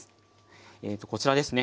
えとこちらですね。